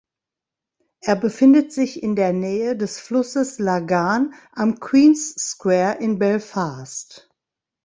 Er befindet sich in der Nähe des Flusses Lagan am Queen's Square in Belfast.